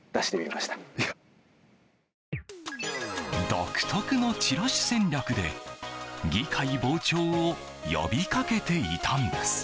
独特のチラシ戦略で議会傍聴を呼び掛けていたんです。